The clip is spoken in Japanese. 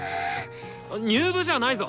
入部じゃないぞ！